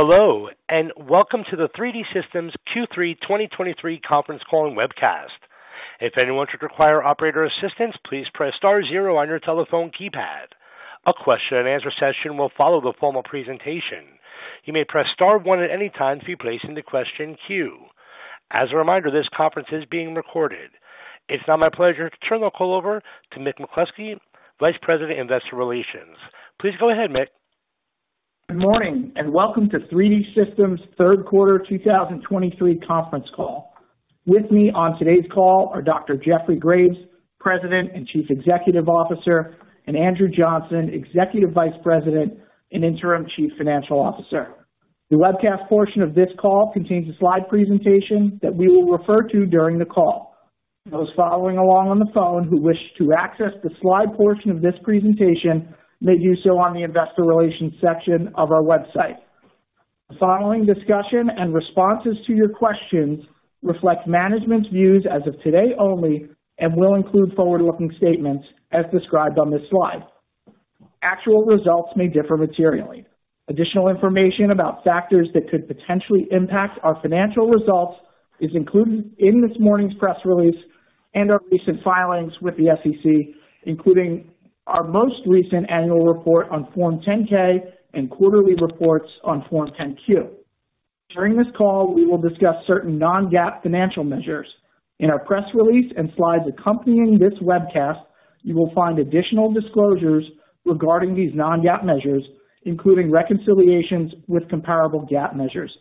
Hello, and welcome to the 3D Systems Q3 2023 conference call and webcast. If anyone should require operator assistance, please press star zero on your telephone keypad. A question and answer session will follow the formal presentation. You may press star one at any time to be placed in the question queue. As a reminder, this conference is being recorded. It's now my pleasure to turn the call over to Mick McCloskey, Vice President, Investor Relations. Please go ahead, Mick. Good morning, and welcome to 3D Systems' third quarter 2023 conference call. With me on today's call are Dr. Jeffrey Graves, President and Chief Executive Officer, and Andrew Johnson, Executive Vice President and Interim Chief Financial Officer. The webcast portion of this call contains a slide presentation that we will refer to during the call. Those following along on the phone who wish to access the slide portion of this presentation may do so on the Investor Relations section of our website. The following discussion and responses to your questions reflect management's views as of today only and will include forward-looking statements as described on this slide. Actual results may differ materially. Additional information about factors that could potentially impact our financial results is included in this morning's press release and our recent filings with the SEC, including our most recent annual report on Form 10-K and quarterly reports on Form 10-Q. During this call, we will discuss certain non-GAAP financial measures. In our press release and slides accompanying this webcast, you will find additional disclosures regarding these non-GAAP measures, including reconciliations with comparable GAAP measures.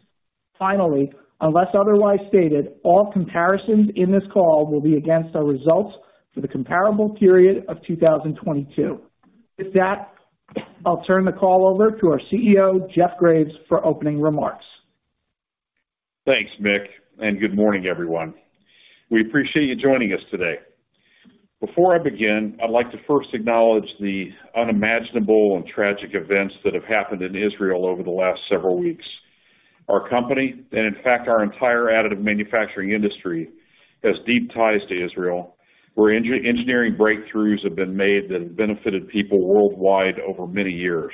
Finally, unless otherwise stated, all comparisons in this call will be against our results for the comparable period of 2022. With that, I'll turn the call over to our CEO, Jeffrey Graves, for opening remarks. Thanks, Mick, and good morning, everyone. We appreciate you joining us today. Before I begin, I'd like to first acknowledge the unimaginable and tragic events that have happened in Israel over the last several weeks. Our company, and in fact, our entire additive manufacturing industry, has deep ties to Israel, where engineering breakthroughs have been made that have benefited people worldwide over many years.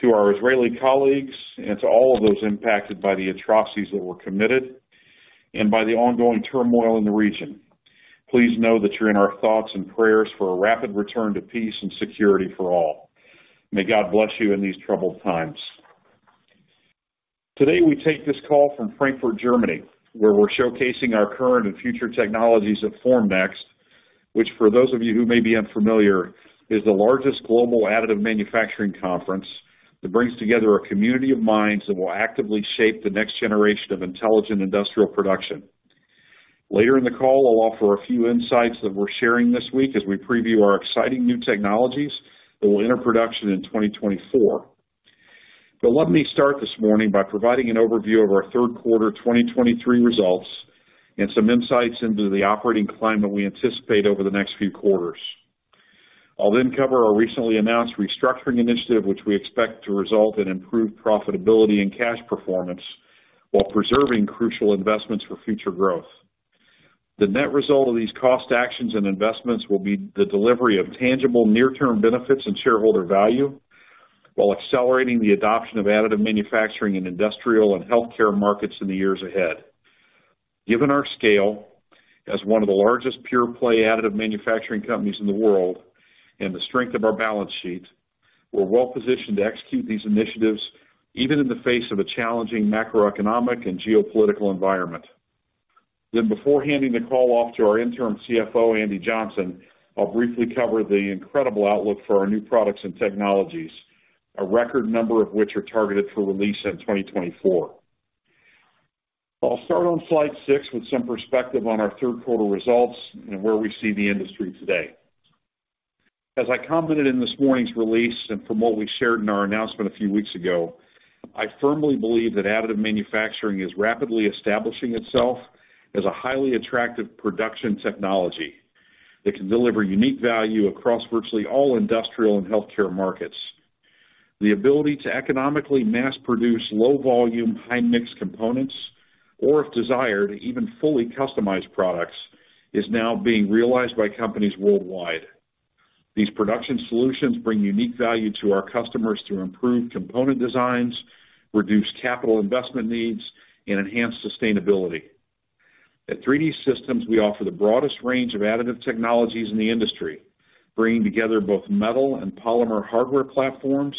To our Israeli colleagues and to all of those impacted by the atrocities that were committed and by the ongoing turmoil in the region, please know that you're in our thoughts and prayers for a rapid return to peace and security for all. May God bless you in these troubled times. Today, we take this call from Frankfurt, Germany, where we're showcasing our current and future technologies at Formnext, which, for those of you who may be unfamiliar, is the largest global additive manufacturing conference that brings together a community of minds that will actively shape the next generation of intelligent industrial production. Later in the call, I'll offer a few insights that we're sharing this week as we preview our exciting new technologies that will enter production in 2024. Let me start this morning by providing an overview of our third quarter 2023 results and some insights into the operating climate we anticipate over the next few quarters. I'll then cover our recently announced restructuring initiative, which we expect to result in improved profitability and cash performance while preserving crucial investments for future growth. The net result of these cost actions and investments will be the delivery of tangible near-term benefits and shareholder value, while accelerating the adoption of additive manufacturing in industrial and healthcare markets in the years ahead. Given our scale as one of the largest pure-play additive manufacturing companies in the world and the strength of our balance sheet, we're well positioned to execute these initiatives, even in the face of a challenging macroeconomic and geopolitical environment. Before handing the call off to our Interim CFO, Andy Johnson, I'll briefly cover the incredible outlook for our new products and technologies, a record number of which are targeted for release in 2024. I'll start on slide 6 with some perspective on our third quarter results and where we see the industry today. As I commented in this morning's release, and from what we shared in our announcement a few weeks ago, I firmly believe that additive manufacturing is rapidly establishing itself as a highly attractive production technology that can deliver unique value across virtually all industrial and healthcare markets. The ability to economically mass produce low volume, high-mix components, or, if desired, even fully customized products, is now being realized by companies worldwide. These production solutions bring unique value to our customers to improve component designs, reduce capital investment needs, and enhance sustainability. At 3D Systems, we offer the broadest range of additive technologies in the industry, bringing together both metal and polymer hardware platforms,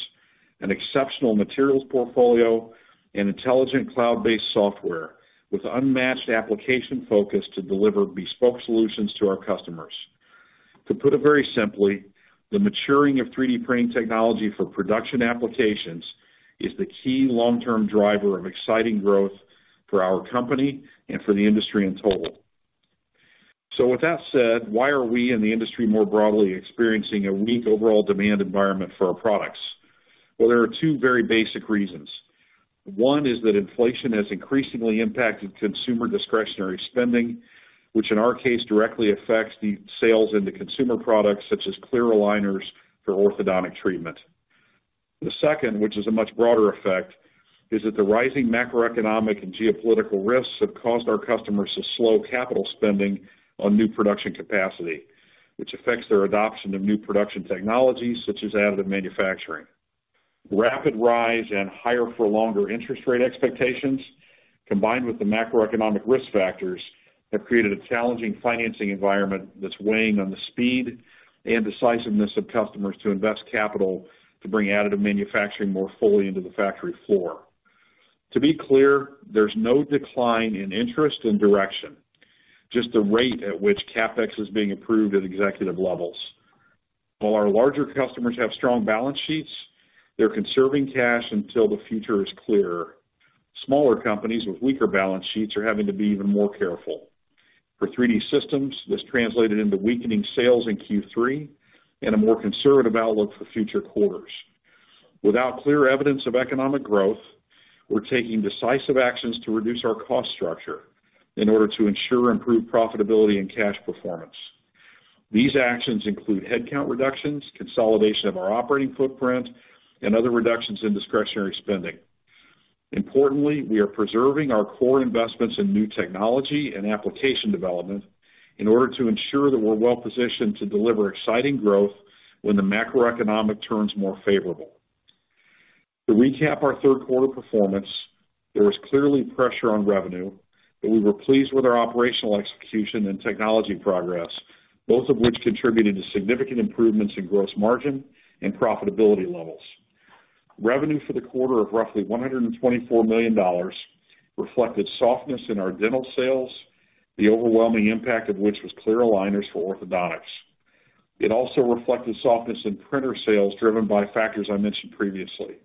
an exceptional materials portfolio, and intelligent cloud-based software with unmatched application focus to deliver bespoke solutions to our customers. To put it very simply, the maturing of 3D printing technology for production applications is the key long-term driver of exciting growth for our company and for the industry in total. So with that said, why are we, in the industry more broadly, experiencing a weak overall demand environment for our products? Well, there are two very basic reasons. One is that inflation has increasingly impacted consumer discretionary spending, which in our case, directly affects the sales into consumer products such as clear aligners for orthodontic treatment. The second, which is a much broader effect, is that the rising macroeconomic and geopolitical risks have caused our customers to slow capital spending on new production capacity, which affects their adoption of new production technologies such as additive manufacturing.... Rapid rise and higher-for-longer interest rate expectations, combined with the macroeconomic risk factors, have created a challenging financing environment that's weighing on the speed and decisiveness of customers to invest capital to bring additive manufacturing more fully into the factory floor. To be clear, there's no decline in interest and direction, just the rate at which CapEx is being approved at executive levels. While our larger customers have strong balance sheets, they're conserving cash until the future is clearer. Smaller companies with weaker balance sheets are having to be even more careful. For 3D Systems, this translated into weakening sales in Q3 and a more conservative outlook for future quarters. Without clear evidence of economic growth, we're taking decisive actions to reduce our cost structure in order to ensure improved profitability and cash performance. These actions include headcount reductions, consolidation of our operating footprint, and other reductions in discretionary spending. Importantly, we are preserving our core investments in new technology and application development in order to ensure that we're well positioned to deliver exciting growth when the macroeconomic turns more favorable. To recap our third quarter performance, there was clearly pressure on revenue, but we were pleased with our operational execution and technology progress, both of which contributed to significant improvements in gross margin and profitability levels. Revenue for the quarter of roughly $124 million reflected softness in our dental sales, the overwhelming impact of which was clear aligners for orthodontics. It also reflected softness in printer sales, driven by factors I mentioned previously.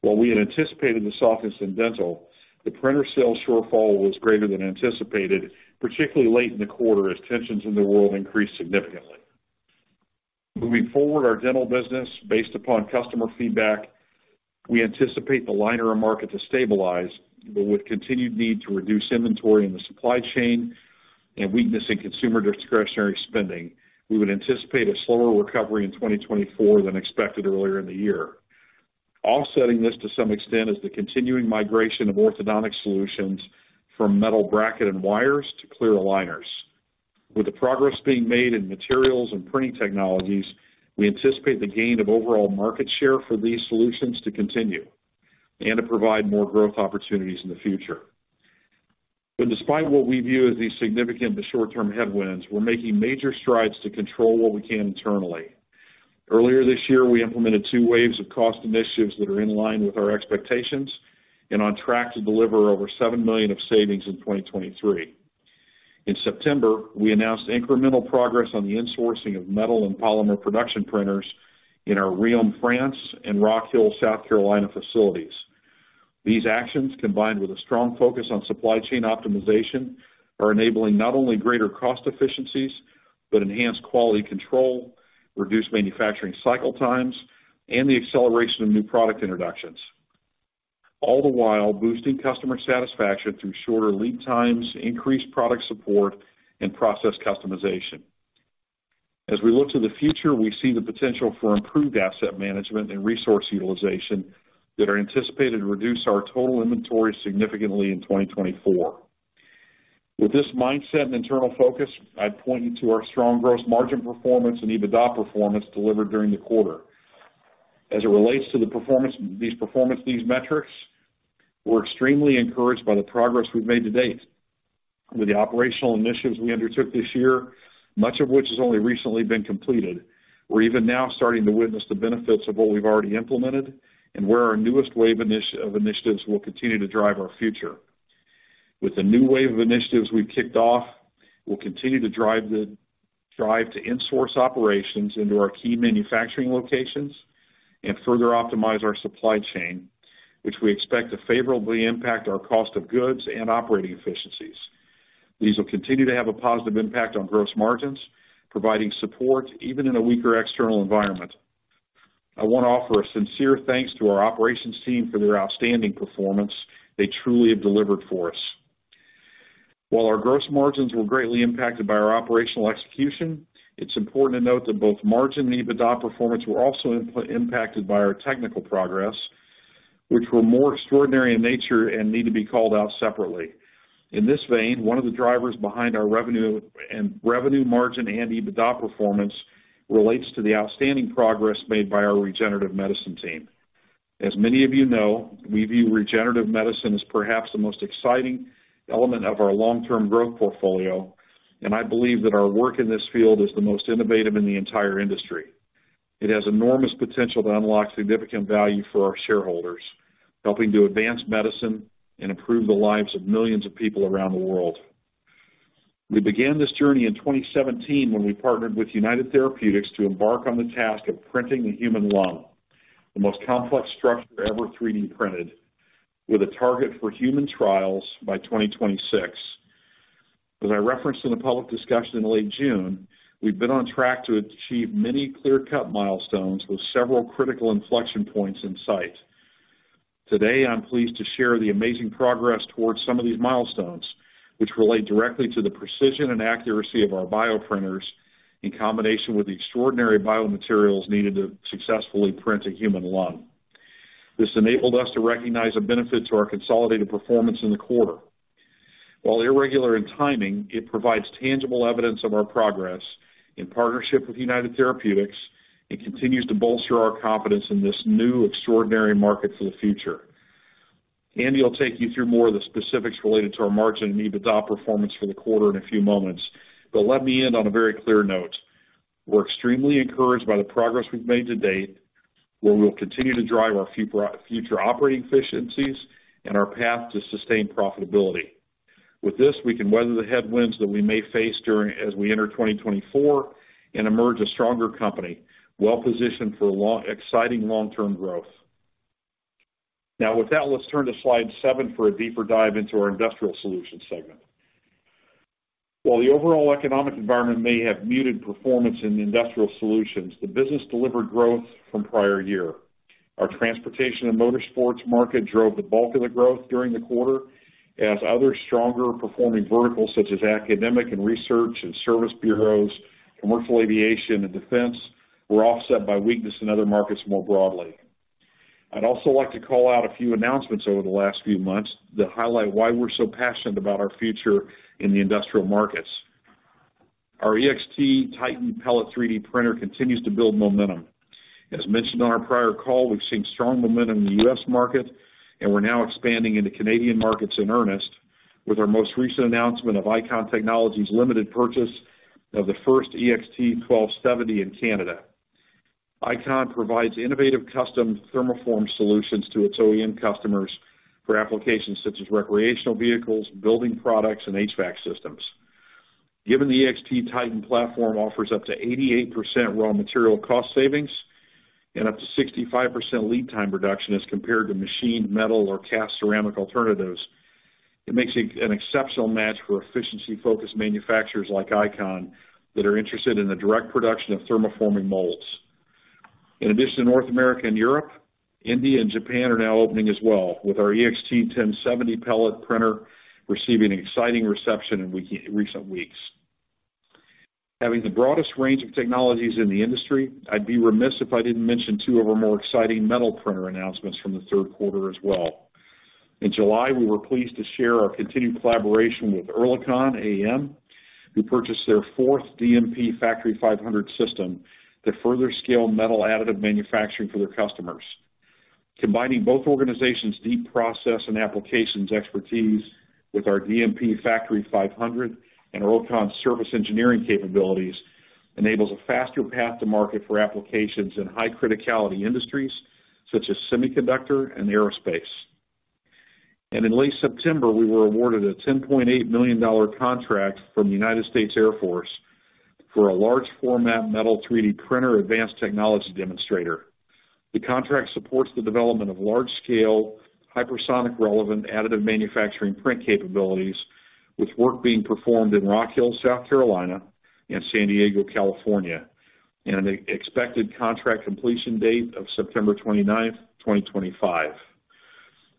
While we had anticipated the softness in dental, the printer sales shortfall was greater than anticipated, particularly late in the quarter, as tensions in the world increased significantly. Moving forward, our dental business, based upon customer feedback, we anticipate the aligner market to stabilize, but with continued need to reduce inventory in the supply chain and weakness in consumer discretionary spending, we would anticipate a slower recovery in 2024 than expected earlier in the year. Offsetting this to some extent is the continuing migration of orthodontic solutions from metal bracket and wires to clear aligners. With the progress being made in materials and printing technologies, we anticipate the gain of overall market share for these solutions to continue and to provide more growth opportunities in the future. But despite what we view as these significant but short-term headwinds, we're making major strides to control what we can internally. Earlier this year, we implemented two waves of cost initiatives that are in line with our expectations and on track to deliver over $7 million of savings in 2023. In September, we announced incremental progress on the insourcing of metal and polymer production printers in our Riom, France, and Rock Hill, South Carolina, facilities. These actions, combined with a strong focus on supply chain optimization, are enabling not only greater cost efficiencies, but enhanced quality control, reduced manufacturing cycle times, and the acceleration of new product introductions, all the while boosting customer satisfaction through shorter lead times, increased product support, and process customization. As we look to the future, we see the potential for improved asset management and resource utilization that are anticipated to reduce our total inventory significantly in 2024. With this mindset and internal focus, I'd point you to our strong gross margin performance and EBITDA performance delivered during the quarter. As it relates to the performance, these metrics, we're extremely encouraged by the progress we've made to date. With the operational initiatives we undertook this year, much of which has only recently been completed, we're even now starting to witness the benefits of what we've already implemented and where our newest wave of initiatives will continue to drive our future. With the new wave of initiatives we've kicked off, we'll continue to drive the drive to insource operations into our key manufacturing locations and further optimize our supply chain, which we expect to favorably impact our cost of goods and operating efficiencies. These will continue to have a positive impact on gross margins, providing support even in a weaker external environment. I want to offer a sincere thanks to our operations team for their outstanding performance. They truly have delivered for us. While our gross margins were greatly impacted by our operational execution, it's important to note that both margin and EBITDA performance were also input-impacted by our technical progress, which were more extraordinary in nature and need to be called out separately. In this vein, one of the drivers behind our revenue and revenue margin and EBITDA performance relates to the outstanding progress made by our regenerative medicine team. As many of you know, we view regenerative medicine as perhaps the most exciting element of our long-term growth portfolio, and I believe that our work in this field is the most innovative in the entire industry. It has enormous potential to unlock significant value for our shareholders, helping to advance medicine and improve the lives of millions of people around the world. We began this journey in 2017, when we partnered with United Therapeutics to embark on the task of printing the human lung, the most complex structure ever 3D printed, with a target for human trials by 2026. As I referenced in a public discussion in late June, we've been on track to achieve many clear-cut milestones, with several critical inflection points in sight. Today, I'm pleased to share the amazing progress towards some of these milestones, which relate directly to the precision and accuracy of our bioprinters, in combination with the extraordinary biomaterials needed to successfully print a human lung. This enabled us to recognize a benefit to our consolidated performance in the quarter.... While irregular in timing, it provides tangible evidence of our progress in partnership with United Therapeutics and continues to bolster our confidence in this new extraordinary market for the future. Andy will take you through more of the specifics related to our margin and EBITDA performance for the quarter in a few moments. But let me end on a very clear note. We're extremely encouraged by the progress we've made to date, where we'll continue to drive our future operating efficiencies and our path to sustained profitability. With this, we can weather the headwinds that we may face as we enter 2024 and emerge a stronger company, well positioned for exciting long-term growth. Now, with that, let's turn to slide seven for a deeper dive into our Industrial Solutions segment. While the overall economic environment may have muted performance in Industrial Solutions, the business delivered growth from prior year. Our transportation and motorsports market drove the bulk of the growth during the quarter, as other stronger performing verticals, such as academic and research and service bureaus, commercial aviation and defense, were offset by weakness in other markets more broadly. I'd also like to call out a few announcements over the last few months that highlight why we're so passionate about our future in the industrial markets. Our EXT Titan Pellet 3D printer continues to build momentum. As mentioned on our prior call, we've seen strong momentum in the US market, and we're now expanding into Canadian markets in earnest with our most recent announcement of Icon Technologies Limited purchase of the first EXT 1270 in Canada. Icon provides innovative custom thermoformed solutions to its OEM customers for applications such as recreational vehicles, building products, and HVAC systems. Given the EXT Titan platform offers up to 88% raw material cost savings and up to 65% lead time reduction as compared to machined metal or cast ceramic alternatives, it makes it an exceptional match for efficiency-focused manufacturers like Icon, that are interested in the direct production of thermoforming molds. In addition to North America and Europe, India and Japan are now opening as well, with our EXT 1070 pellet printer receiving an exciting reception in recent weeks. Having the broadest range of technologies in the industry, I'd be remiss if I didn't mention two of our more exciting metal printer announcements from the third quarter as well. In July, we were pleased to share our continued collaboration with Oerlikon AM, who purchased their fourth DMP Factory 500 system to further scale metal additive manufacturing for their customers. Combining both organizations' deep process and applications expertise with our DMP Factory 500 and Oerlikon's service engineering capabilities enables a faster path to market for applications in high criticality industries, such as semiconductor and aerospace. In late September, we were awarded a $10.8 million contract from the United States Air Force for a large format metal 3D printer advanced technology demonstrator. The contract supports the development of large-scale, hypersonic-relevant additive manufacturing print capabilities, with work being performed in Rock Hill, South Carolina, and San Diego, California, and an expected contract completion date of September 29, 2025.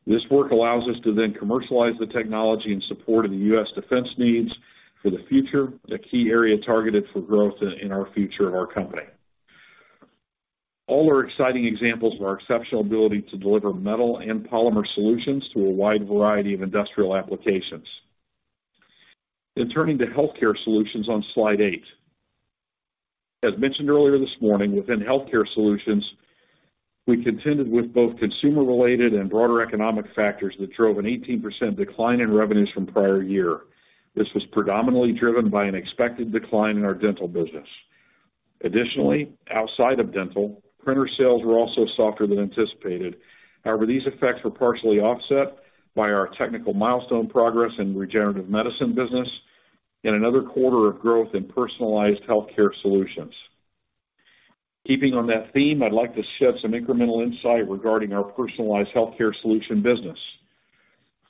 This work allows us to then commercialize the technology in support of the US defense needs for the future, a key area targeted for growth in our future of our company. All are exciting examples of our exceptional ability to deliver metal and polymer solutions to a wide variety of industrial applications. Then turning to Healthcare Solutions on slide eight. As mentioned earlier this morning, within Healthcare Solutions, we contended with both consumer-related and broader economic factors that drove an 18% decline in revenues from prior year. This was predominantly driven by an expected decline in our dental business. Additionally, outside of dental, printer sales were also softer than anticipated. However, these effects were partially offset by our technical milestone progress in regenerative medicine business and another quarter of growth in personalized healthcare solutions. Keeping on that theme, I'd like to shed some incremental insight regarding our personalized healthcare solution business.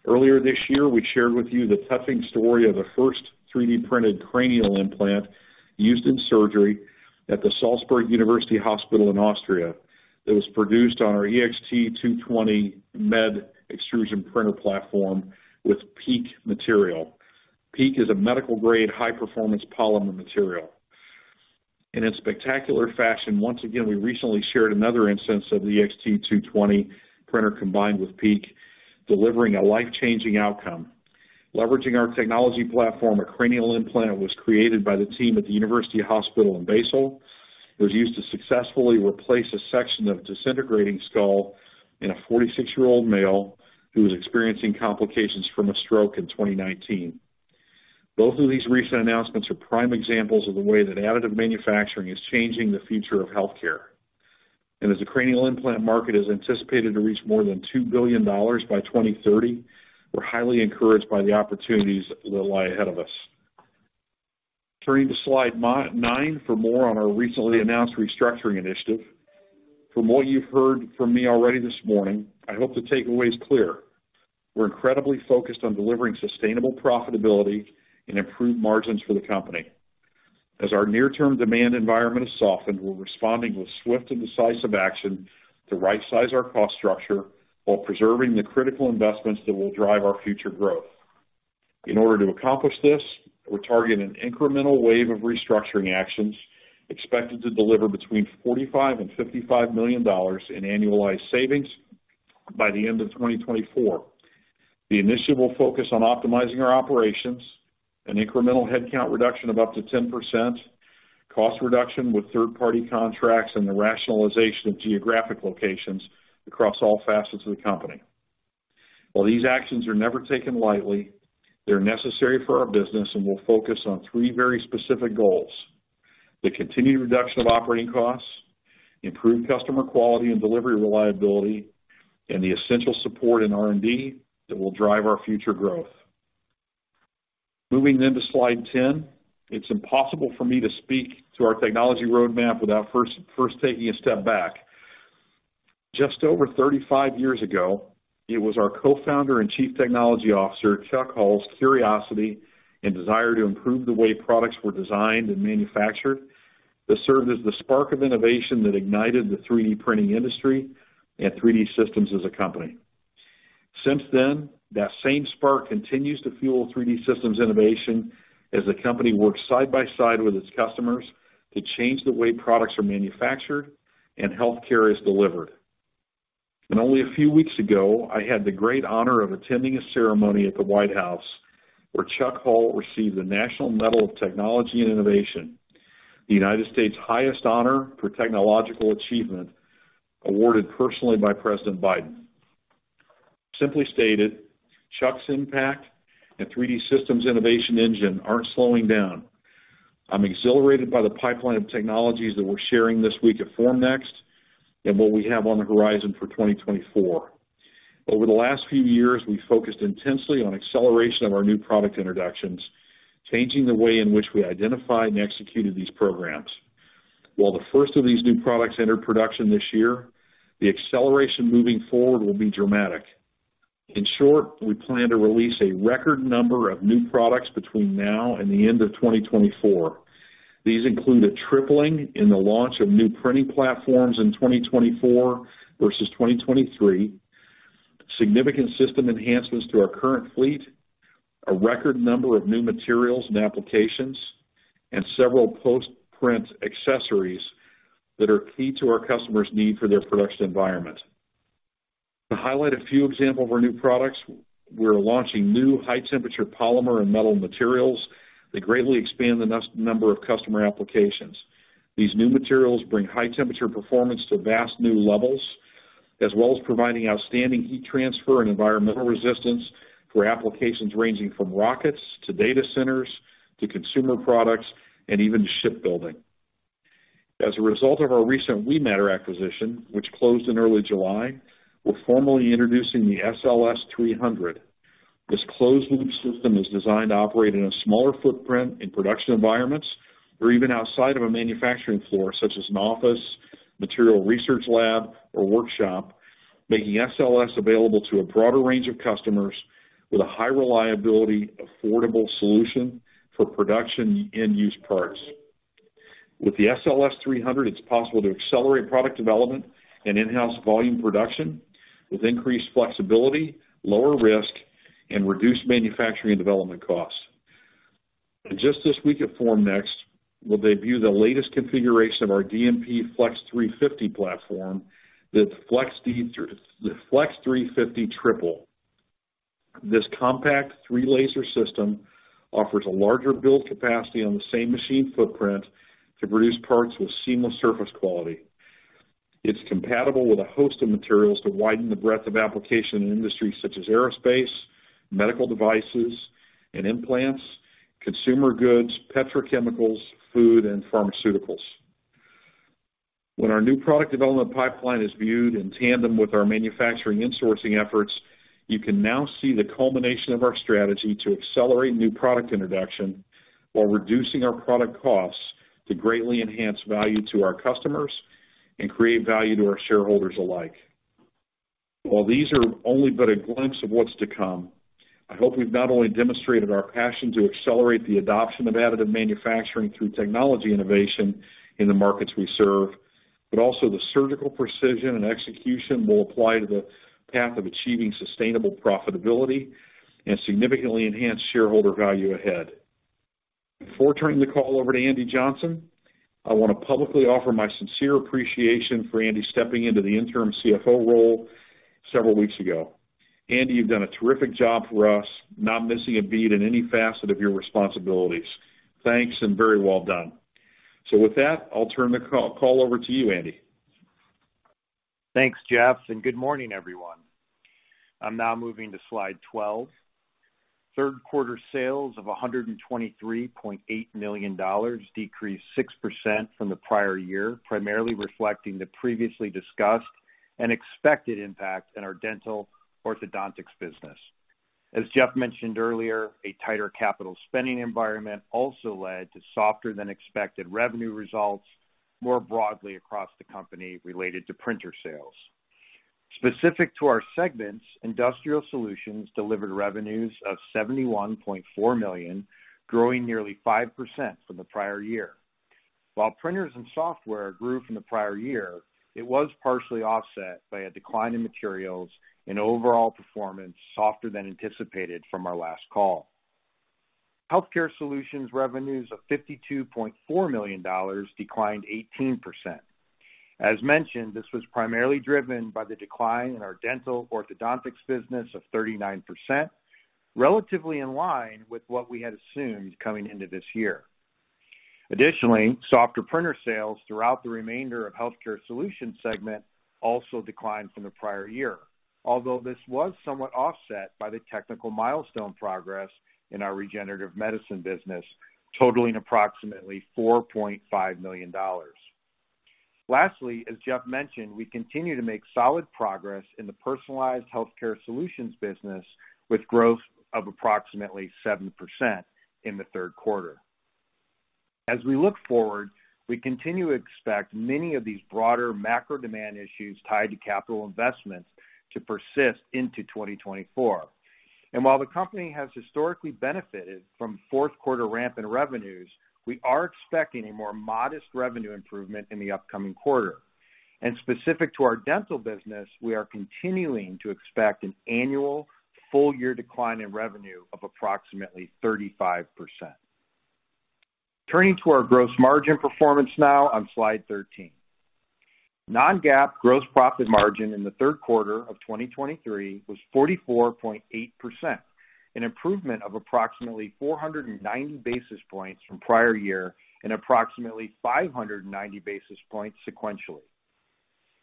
Earlier this year, we shared with you the touching story of the first 3D printed cranial implant used in surgery at the Salzburg University Hospital in Austria, that was produced on our EXT 220 Med extrusion printer platform with PEEK material. PEEK is a medical-grade, high-performance polymer material. And in spectacular fashion, once again, we recently shared another instance of the EXT 220 printer, combined with PEEK, delivering a life-changing outcome. Leveraging our technology platform, a cranial implant was created by the team at the University Hospital in Basel. It was used to successfully replace a section of disintegrating skull in a 46-year-old male who was experiencing complications from a stroke in 2019. Both of these recent announcements are prime examples of the way that additive manufacturing is changing the future of healthcare. As the cranial implant market is anticipated to reach more than $2 billion by 2030, we're highly encouraged by the opportunities that lie ahead of us. Turning to slide 9 for more on our recently announced restructuring initiative. From what you've heard from me already this morning, I hope the takeaway is clear. We're incredibly focused on delivering sustainable profitability and improved margins for the company. As our near-term demand environment has softened, we're responding with swift and decisive action to rightsize our cost structure while preserving the critical investments that will drive our future growth. In order to accomplish this, we're targeting an incremental wave of restructuring actions expected to deliver between $45 million and $55 million in annualized savings by the end of 2024. The initiative will focus on optimizing our operations, an incremental headcount reduction of up to 10%, cost reduction with third-party contracts, and the rationalization of geographic locations across all facets of the company. While these actions are never taken lightly, they're necessary for our business and will focus on three very specific goals: the continued reduction of operating costs, improved customer quality and delivery reliability, and the essential support in R&D that will drive our future growth. Moving then to slide 10. It's impossible for me to speak to our technology roadmap without first taking a step back. Just over 35 years ago, it was our co-founder and Chief Technology Officer, Chuck Hull's curiosity and desire to improve the way products were designed and manufactured, that served as the spark of innovation that ignited the 3D printing industry and 3D Systems as a company. Since then, that same spark continues to fuel 3D Systems innovation as the company works side by side with its customers to change the way products are manufactured and healthcare is delivered. And only a few weeks ago, I had the great honor of attending a ceremony at the White House, where Chuck Hull received the National Medal of Technology and Innovation, the United States' highest honor for technological achievement, awarded personally by President Biden. Simply stated, Chuck's impact and 3D Systems innovation engine aren't slowing down. I'm exhilarated by the pipeline of technologies that we're sharing this week at Formnext and what we have on the horizon for 2024. Over the last few years, we've focused intensely on acceleration of our new product introductions, changing the way in which we identified and executed these programs. While the first of these new products entered production this year, the acceleration moving forward will be dramatic. In short, we plan to release a record number of new products between now and the end of 2024. These include a tripling in the launch of new printing platforms in 2024 versus 2023, significant system enhancements to our current fleet, a record number of new materials and applications, and several post-print accessories that are key to our customers' need for their production environment. To highlight a few examples of our new products, we're launching new high-temperature polymer and metal materials that greatly expand the number of customer applications. These new materials bring high-temperature performance to vast new levels, as well as providing outstanding heat transfer and environmental resistance for applications ranging from rockets, to data centers, to consumer products, and even shipbuilding. As a result of our recent Wematter acquisition, which closed in early July, we're formally introducing the SLS 300. This closed loop system is designed to operate in a smaller footprint in production environments or even outside of a manufacturing floor, such as an office, material research lab, or workshop, making SLS available to a broader range of customers with a high reliability, affordable solution for production end-use parts. With the SLS 300, it's possible to accelerate product development and in-house volume production with increased flexibility, lower risk, and reduced manufacturing development costs. Just this week at Formnext, we'll debut the latest configuration of our DMP Flex 350 platform, the Flex 350 Triple. This compact three-laser system offers a larger build capacity on the same machine footprint to produce parts with seamless surface quality. It's compatible with a host of materials to widen the breadth of application in industries such as aerospace, medical devices and implants, consumer goods, petrochemicals, food, and pharmaceuticals. When our new product development pipeline is viewed in tandem with our manufacturing insourcing efforts, you can now see the culmination of our strategy to accelerate new product introduction while reducing our product costs to greatly enhance value to our customers and create value to our shareholders alike. While these are only but a glimpse of what's to come, I hope we've not only demonstrated our passion to accelerate the adoption of additive manufacturing through technology innovation in the markets we serve, but also the surgical precision and execution will apply to the path of achieving sustainable profitability and significantly enhance shareholder value ahead. Before turning the call over to Andrew Johnson, I want to publicly offer my sincere appreciation for Andrew stepping into the interim CFO role several weeks ago. Andrew you've done a terrific job for us, not missing a beat in any facet of your responsibilities. Thanks, and very well done. So with that, I'll turn the call over to you, Andrew. Thanks, Jeffrey, and good morning, everyone. I'm now moving to slide 12. Third quarter sales of $123.8 million decreased 6% from the prior year, primarily reflecting the previously discussed and expected impact in our dental orthodontics business. As Jeffrey mentioned earlier, a tighter capital spending environment also led to softer than expected revenue results, more broadly across the company, related to printer sales. Specific to our segments, Industrial Solutions delivered revenues of $71.4 million, growing nearly 5% from the prior year. While printers and software grew from the prior year, it was partially offset by a decline in materials and overall performance, softer than anticipated from our last call.... Healthcare Solutions revenues of $52.4 million declined 18%. As mentioned, this was primarily driven by the decline in our dental orthodontics business of 39%, relatively in line with what we had assumed coming into this year. Additionally, softer printer sales throughout the remainder of Healthcare Solutions segment also declined from the prior year, although this was somewhat offset by the technical milestone progress in our regenerative medicine business, totaling approximately $4.5 million. Lastly, as Jeffrey mentioned, we continue to make solid progress in the personalized healthcare solutions business, with growth of approximately 7% in the third quarter. As we look forward, we continue to expect many of these broader macro demand issues tied to capital investments to persist into 2024. And while the company has historically benefited from fourth quarter ramp in revenues, we are expecting a more modest revenue improvement in the upcoming quarter. Specific to our dental business, we are continuing to expect an annual full-year decline in revenue of approximately 35%. Turning to our gross margin performance now on Slide 13. Non-GAAP gross profit margin in the third quarter of 2023 was 44.8%, an improvement of approximately 490 basis points from prior year, and approximately 590 basis points sequentially.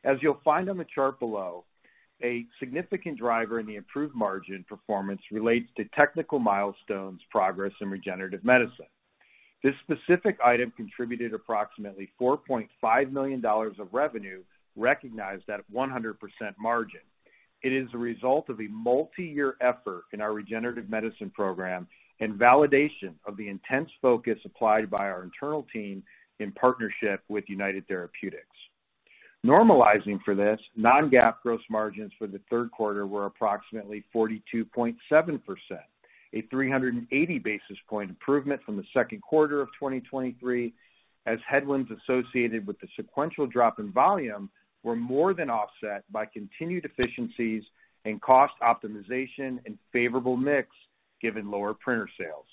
As you'll find on the chart below, a significant driver in the improved margin performance relates to technical milestones, progress, and regenerative medicine. This specific item contributed approximately $4.5 million of revenue, recognized at 100% margin. It is a result of a multiyear effort in our regenerative medicine program and validation of the intense focus applied by our internal team in partnership with United Therapeutics. Normalizing for this, non-GAAP gross margins for the third quarter were approximately 42.7%, a 380 basis point improvement from the second quarter of 2023, as headwinds associated with the sequential drop in volume were more than offset by continued efficiencies and cost optimization and favorable mix, given lower printer sales.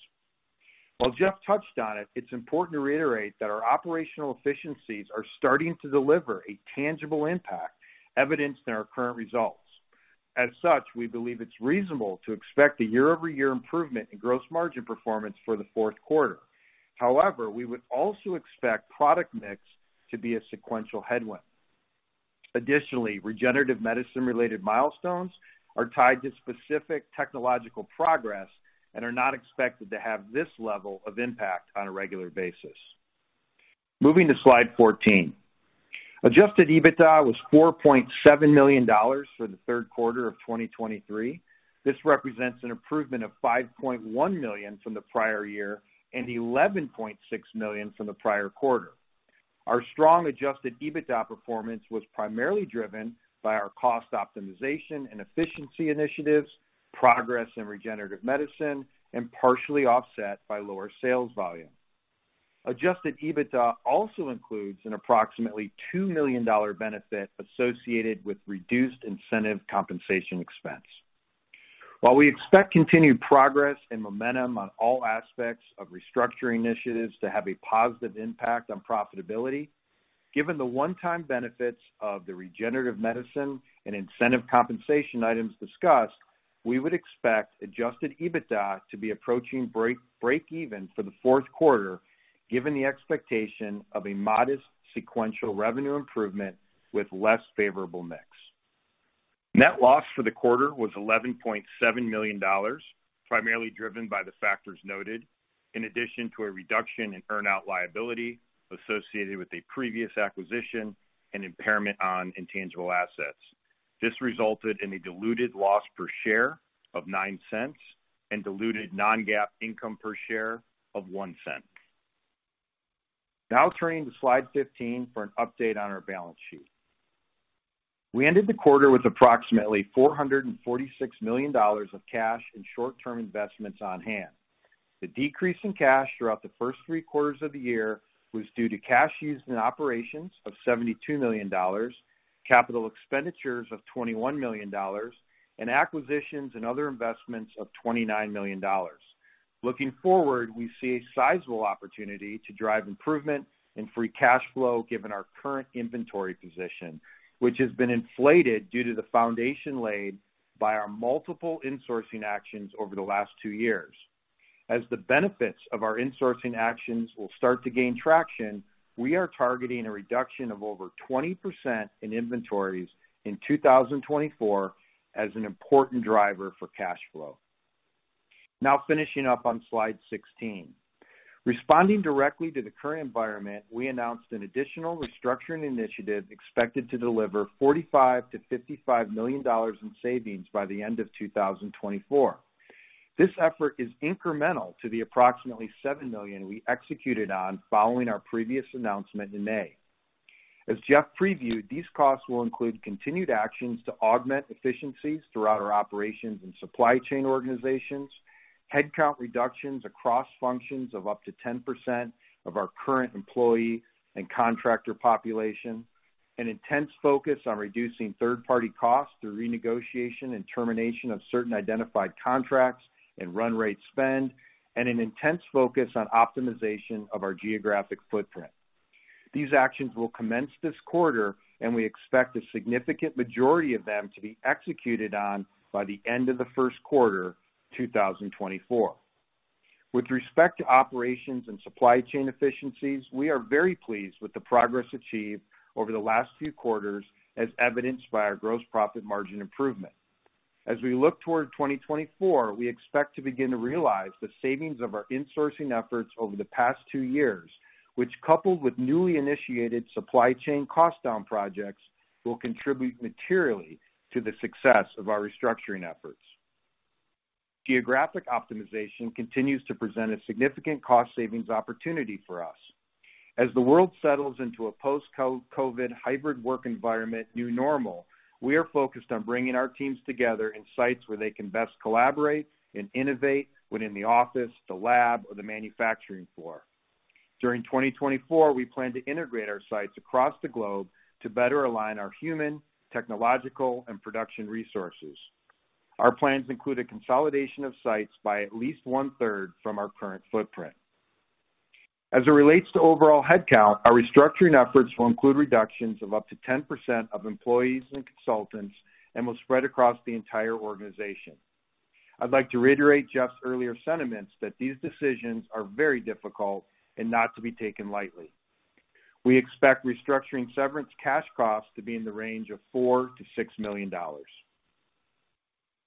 While Jeff touched on it, it's important to reiterate that our operational efficiencies are starting to deliver a tangible impact, evidenced in our current results. As such, we believe it's reasonable to expect a year-over-year improvement in gross margin performance for the fourth quarter. However, we would also expect product mix to be a sequential headwind. Additionally, regenerative medicine-related milestones are tied to specific technological progress and are not expected to have this level of impact on a regular basis. Moving to Slide 14. Adjusted EBITDA was $4.7 million for the third quarter of 2023. This represents an improvement of $5.1 million from the prior year and $11.6 million from the prior quarter. Our strong adjusted EBITDA performance was primarily driven by our cost optimization and efficiency initiatives, progress in regenerative medicine, and partially offset by lower sales volume. Adjusted EBITDA also includes an approximately $2 million benefit associated with reduced incentive compensation expense. While we expect continued progress and momentum on all aspects of restructuring initiatives to have a positive impact on profitability, given the one-time benefits of the regenerative medicine and incentive compensation items discussed, we would expect adjusted EBITDA to be approaching break even for the fourth quarter, given the expectation of a modest sequential revenue improvement with less favorable mix. Net loss for the quarter was $11.7 million, primarily driven by the factors noted, in addition to a reduction in earn-out liability associated with a previous acquisition and impairment on intangible assets. This resulted in a diluted loss per share of $0.09 and diluted non-GAAP income per share of $0.01. Now turning to Slide 15 for an update on our balance sheet. We ended the quarter with approximately $446 million of cash and short-term investments on hand. The decrease in cash throughout the first three quarters of the year was due to cash used in operations of $72 million, capital expenditures of $21 million, and acquisitions and other investments of $29 million. Looking forward, we see a sizable opportunity to drive improvement in free cash flow, given our current inventory position, which has been inflated due to the foundation laid by our multiple insourcing actions over the last two years. As the benefits of our insourcing actions will start to gain traction, we are targeting a reduction of over 20% in inventories in 2024 as an important driver for cash flow. Now finishing up on Slide 16. Responding directly to the current environment, we announced an additional restructuring initiative expected to deliver $45 million-$55 million in savings by the end of 2024. This effort is incremental to the approximately $7 million we executed on following our previous announcement in May. As Jeff previewed, these costs will include continued actions to augment efficiencies throughout our operations and supply chain organizations, headcount reductions across functions of up to 10% of our current employee and contractor population.... an intense focus on reducing third-party costs through renegotiation and termination of certain identified contracts and run rate spend, and an intense focus on optimization of our geographic footprint. These actions will commence this quarter, and we expect a significant majority of them to be executed on by the end of the first quarter, 2024. With respect to operations and supply chain efficiencies, we are very pleased with the progress achieved over the last few quarters, as evidenced by our gross profit margin improvement. As we look toward 2024, we expect to begin to realize the savings of our insourcing efforts over the past two years, which, coupled with newly initiated supply chain cost down projects, will contribute materially to the success of our restructuring efforts. Geographic optimization continues to present a significant cost savings opportunity for us. As the world settles into a post-COVID hybrid work environment new normal, we are focused on bringing our teams together in sites where they can best collaborate and innovate when in the office, the lab, or the manufacturing floor. During 2024, we plan to integrate our sites across the globe to better align our human, technological, and production resources. Our plans include a consolidation of sites by at least one-third from our current footprint. As it relates to overall headcount, our restructuring efforts will include reductions of up to 10% of employees and consultants and will spread across the entire organization. I'd like to reiterate Jeff's earlier sentiments that these decisions are very difficult and not to be taken lightly. We expect restructuring severance cash costs to be in the range of $4 million-$6 million.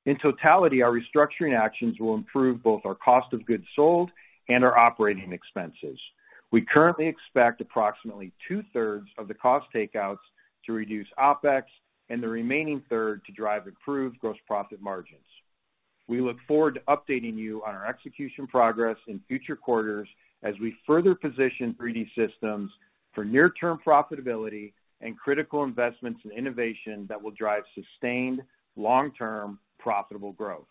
In totality, our restructuring actions will improve both our cost of goods sold and our operating expenses. We currently expect approximately two-thirds of the cost takeouts to reduce OpEx and the remaining third to drive improved gross profit margins. We look forward to updating you on our execution progress in future quarters as we further position 3D Systems for near-term profitability and critical investments in innovation that will drive sustained, long-term, profitable growth.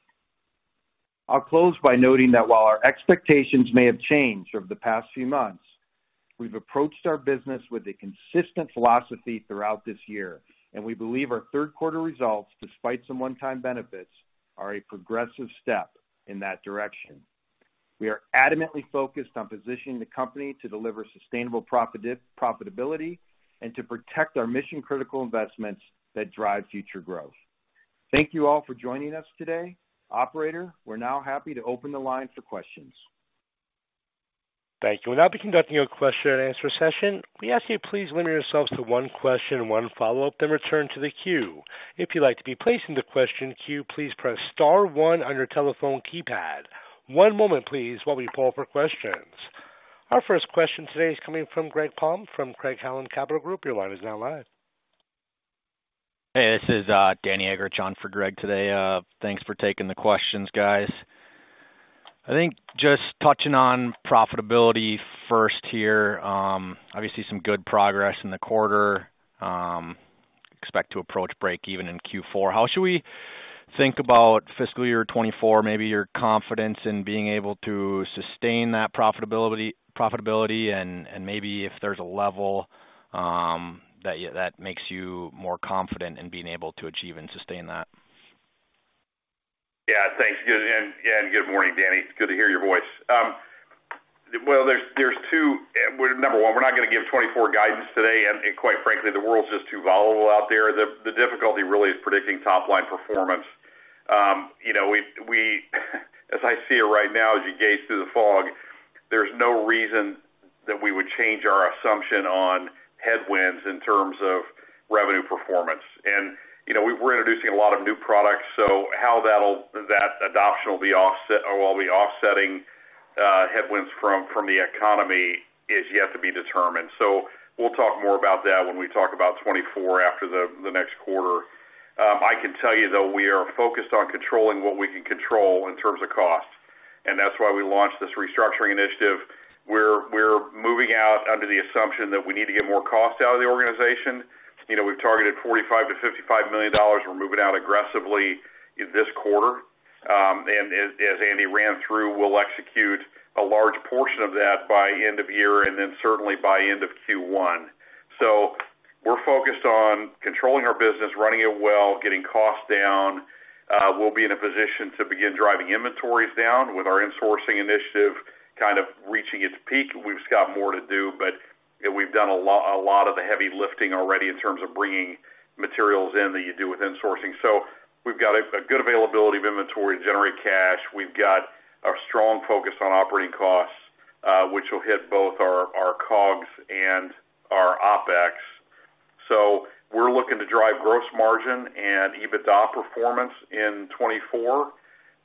I'll close by noting that while our expectations may have changed over the past few months, we've approached our business with a consistent philosophy throughout this year, and we believe our third quarter results, despite some one-time benefits, are a progressive step in that direction. We are adamantly focused on positioning the company to deliver sustainable profitability and to protect our mission-critical investments that drive future growth. Thank you all for joining us today. Operator, we're now happy to open the line for questions. Thank you. We'll now be conducting a question-and-answer session. We ask you please limit yourselves to one question and one follow-up, then return to the queue. If you'd like to be placed in the question queue, please press star one on your telephone keypad. One moment, please, while we poll for questions. Our first question today is coming from Greg Palm from Craig-Hallum Capital Group. Your line is now live. Hey, this is Danny Egger on for Greg today. Thanks for taking the questions, guys. I think just touching on profitability first here, obviously, some good progress in the quarter. Expect to approach breakeven in Q4. How should we think about fiscal year 2024, maybe your confidence in being able to sustain that profitability, profitability, and, and maybe if there's a level, that that makes you more confident in being able to achieve and sustain that? Yeah, thanks. Good and good morning, Danny. It's good to hear your voice. Well, there's two. Number one, we're not gonna give 2024 guidance today, and quite frankly, the world's just too volatile out there. The difficulty really is predicting top-line performance. You know, we, as I see it right now, as you gaze through the fog, there's no reason that we would change our assumption on headwinds in terms of revenue performance. And, you know, we're introducing a lot of new products, so how that'll adoption will be offset or will be offsetting headwinds from the economy is yet to be determined. So we'll talk more about that when we talk about 2024 after the next quarter. I can tell you, though, we are focused on controlling what we can control in terms of costs, and that's why we launched this restructuring initiative. We're moving out under the assumption that we need to get more cost out of the organization. You know, we've targeted $45 million-$55 million. We're moving out aggressively in this quarter. And as Andy ran through, we'll execute a large portion of that by end of year, and then certainly by end of Q1. So we're focused on controlling our business, running it well, getting costs down. We'll be in a position to begin driving inventories down with our insourcing initiative, kind of reaching its peak. We've got more to do, but, you know, we've done a lot of the heavy lifting already in terms of bringing materials in that you do with insourcing. So we've got a good availability of inventory to generate cash. We've got a strong focus on operating costs, which will hit both our COGS and our OpEx. So we're looking to drive gross margin and EBITDA performance in 2024.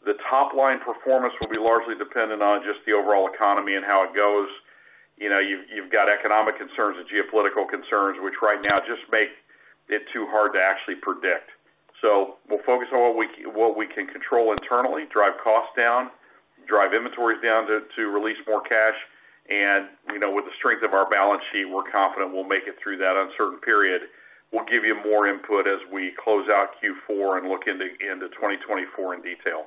The top-line performance will be largely dependent on just the overall economy and how it goes. You know, you've got economic concerns and geopolitical concerns, which right now just make it too hard to actually predict. So we'll focus on what we can control internally, drive costs down, drive inventories down to release more cash, and, you know, with the strength of our balance sheet, we're confident we'll make it through that uncertain period. We'll give you more input as we close out Q4 and look into 2024 in detail. ...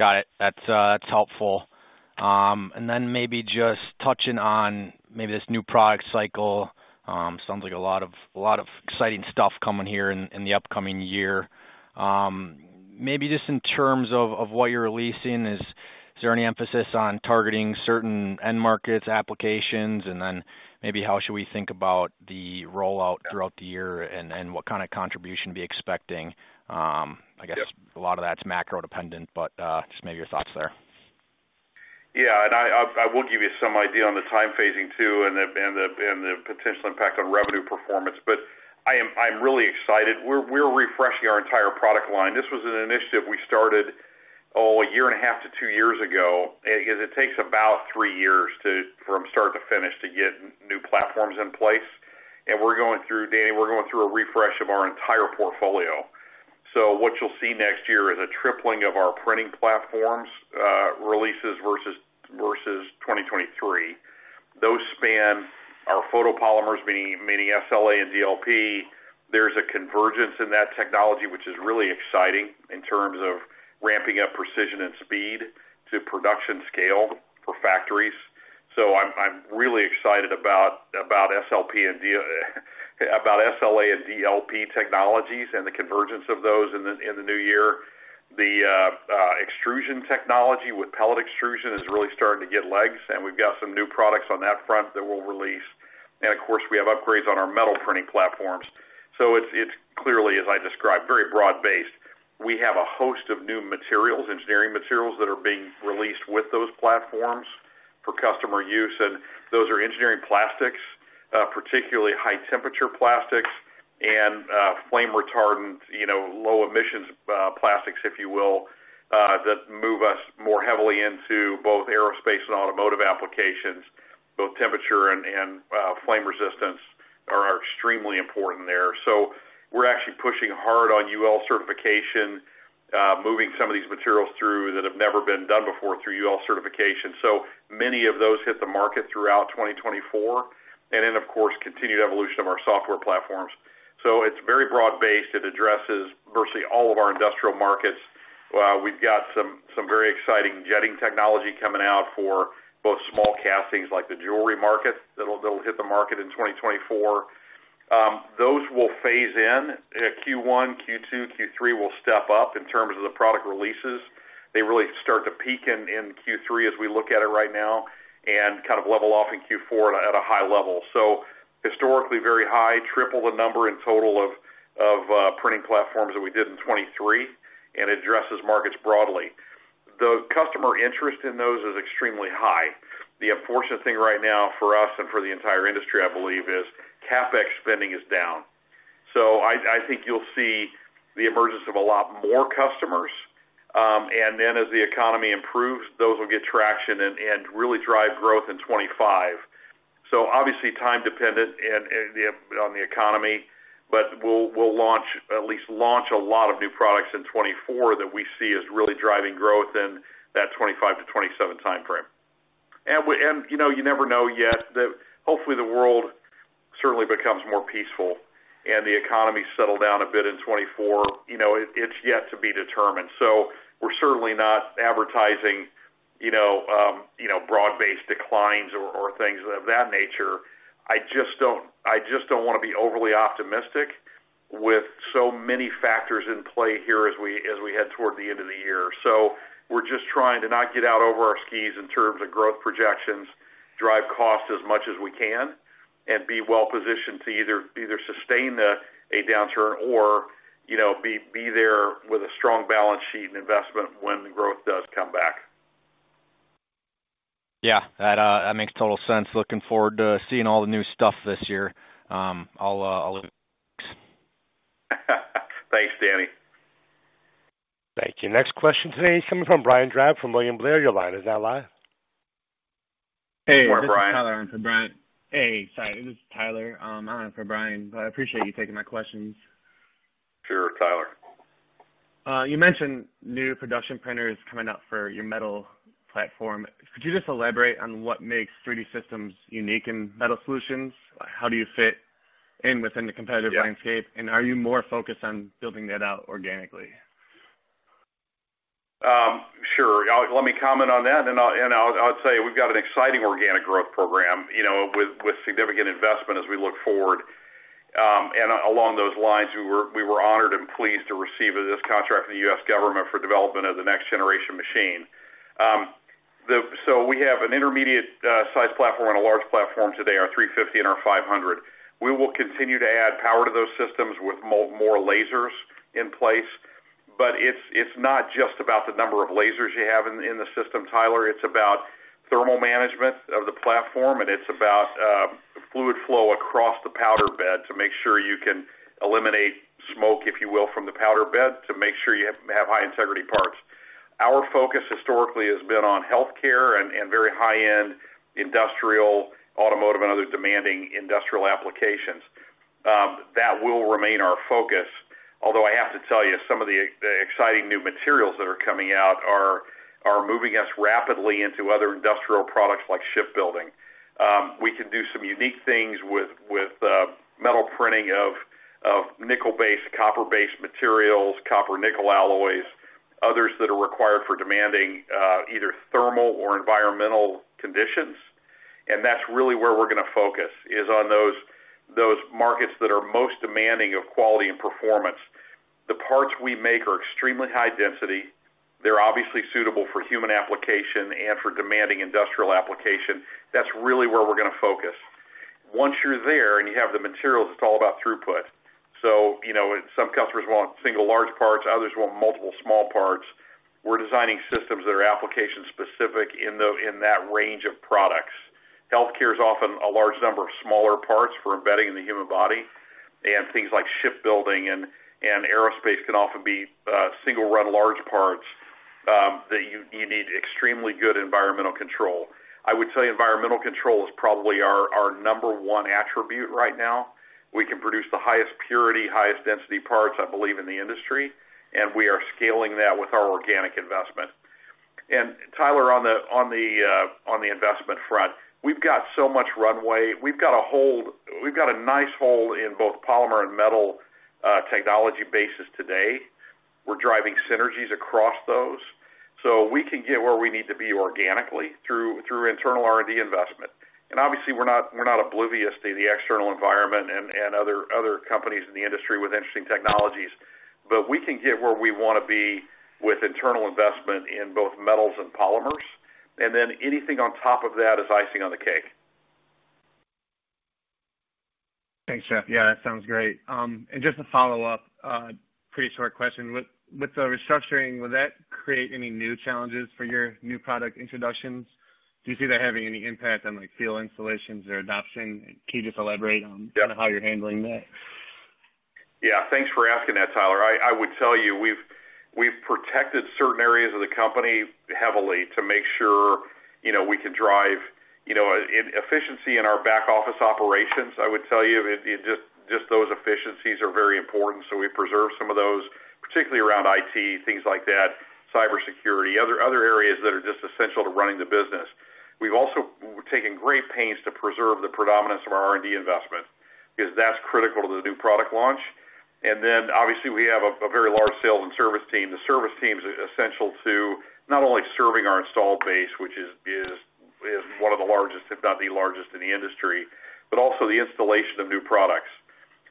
Got it. That's, that's helpful. And then maybe just touching on maybe this new product cycle. Sounds like a lot of, a lot of exciting stuff coming here in, in the upcoming year. Maybe just in terms of, of what you're releasing, is there any emphasis on targeting certain end markets, applications? And then maybe how should we think about the rollout throughout the year, and, and what kind of contribution be expecting? I guess a lot of that's macro dependent, but, just maybe your thoughts there. Yeah, and I will give you some idea on the time phasing too, and the potential impact on revenue performance. But I am. I'm really excited. We're refreshing our entire product line. This was an initiative we started, oh, a year and a half to two years ago. It takes about three years to, from start to finish, to get new platforms in place. And we're going through, Danny, we're going through a refresh of our entire portfolio. So what you'll see next year is a tripling of our printing platforms, releases versus 2023. Those span our photopolymers, meaning SLA and DLP. There's a convergence in that technology, which is really exciting in terms of ramping up precision and speed to production scale for factories. So I'm really excited about SLA and DLP technologies and the convergence of those in the new year. The extrusion technology with pellet extrusion is really starting to get legs, and we've got some new products on that front that we'll release. And of course, we have upgrades on our metal printing platforms. So it's clearly, as I described, very broad-based. We have a host of new materials, engineering materials, that are being released with those platforms for customer use, and those are engineering plastics, particularly high temperature plastics and flame retardant, you know, low emissions plastics, if you will, that move us more heavily into both aerospace and automotive applications. Both temperature and flame resistance are extremely important there. So we're actually pushing hard on UL Certification, moving some of these materials through that have never been done before through UL Certification. So many of those hit the market throughout 2024, and then, of course, continued evolution of our software platforms. So it's very broad-based. It addresses virtually all of our industrial markets. We've got some very exciting jetting technology coming out for both small castings, like the jewelry market. That'll hit the market in 2024. Those will phase in Q1, Q2, Q3 will step up in terms of the product releases. They really start to peak in Q3 as we look at it right now, and kind of level off in Q4 at a high level. So historically, very high, triple the number in total of printing platforms that we did in 2023 and addresses markets broadly. The customer interest in those is extremely high. The unfortunate thing right now for us and for the entire industry, I believe, is CapEx spending is down. So I think you'll see the emergence of a lot more customers, and then as the economy improves, those will get traction and really drive growth in 2025. So obviously, time dependent and on the economy, but we'll launch at least launch a lot of new products in 2024 that we see as really driving growth in that 2025 to 2027 time frame. And we, and, you know, you never know yet that hopefully the world certainly becomes more peaceful and the economy settle down a bit in 2024. You know, it, it's yet to be determined. So we're certainly not advertising, you know, you know, broad-based declines or things of that nature. I just don't, I just don't want to be overly optimistic with so many factors in play here as we, as we head toward the end of the year. We're just trying to not get out over our skis in terms of growth projections, drive costs as much as we can, and be well-positioned to either, either sustain a, a downturn or, you know, be, be there with a strong balance sheet and investment when the growth does come back. Yeah, that, that makes total sense. Looking forward to seeing all the new stuff this year. I'll, I'll... Thanks, Danny. Thank you. Next question today is coming from Brian Drab from William Blair. Your line is now live. Hey, this is Tyler in for Brian. Hey, sorry, this is Tyler. I'm on for Brian, but I appreciate you taking my questions. Sure, Tyler. You mentioned new production printers coming out for your metal platform. Could you just elaborate on what makes 3D Systems unique in metal solutions? How do you fit in within the competitive landscape? Yeah. Are you more focused on building that out organically? Sure. Let me comment on that, and I'll say we've got an exciting organic growth program, you know, with significant investment as we look forward. And along those lines, we were honored and pleased to receive this contract from the US government for development of the next generation machine. So we have an intermediate size platform and a large platform today, our 350 and our 500. We will continue to add power to those systems with more lasers in place, but it's not just about the number of lasers you have in the system, Tyler. It's about thermal management of the platform, and it's about fluid flow across the powder bed to make sure you can eliminate smoke, if you will, from the powder bed to make sure you have high integrity parts. Our focus historically has been on healthcare and very high-end industrial, automotive, and other demanding industrial applications. That will remain our focus, although I have to tell you, some of the exciting new materials that are coming out are moving us rapidly into other industrial products like shipbuilding. We can do some unique things with metal printing of-... of nickel-based, copper-based materials, copper nickel alloys, others that are required for demanding, either thermal or environmental conditions. And that's really where we're gonna focus, is on those, those markets that are most demanding of quality and performance. The parts we make are extremely high density. They're obviously suitable for human application and for demanding industrial application. That's really where we're gonna focus. Once you're there, and you have the materials, it's all about throughput. So, you know, some customers want single large parts, others want multiple small parts. We're designing systems that are application specific in that range of products. Healthcare is often a large number of smaller parts for embedding in the human body, and things like shipbuilding and aerospace can often be single run large parts that you need extremely good environmental control. I would say environmental control is probably our number one attribute right now. We can produce the highest purity, highest density parts, I believe, in the industry, and we are scaling that with our organic investment. And Tyler, on the investment front, we've got so much runway. We've got a nice hold in both polymer and metal technology bases today. We're driving synergies across those, so we can get where we need to be organically through internal R&D investment. And obviously, we're not oblivious to the external environment and other companies in the industry with interesting technologies, but we can get where we wanna be with internal investment in both metals and polymers, and then anything on top of that is icing on the cake. Thanks, Jeffrey. Yeah, that sounds great. And just to follow up, pretty short question. With the restructuring, would that create any new challenges for your new product introductions? Do you see that having any impact on, like, field installations or adoption? Can you just elaborate on- Yeah. - kind of how you're handling that? Yeah, thanks for asking that, Tyler. I would tell you, we've protected certain areas of the company heavily to make sure, you know, we can drive efficiencies in our back office operations. I would tell you, just those efficiencies are very important, so we preserve some of those, particularly around IT, things like that, cybersecurity, other areas that are just essential to running the business. We've also taken great pains to preserve the predominance of our R&D investment, because that's critical to the new product launch. And then, obviously, we have a very large sales and service team. The service team is essential to not only serving our installed base, which is one of the largest, if not the largest in the industry, but also the installation of new products.